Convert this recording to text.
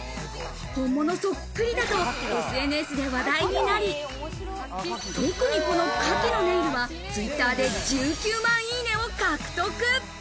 本物そっくりだと、ＳＮＳで話題になり、特にこのかきのネイルはＴｗｉｔｔｅｒで１９万いいねを獲得。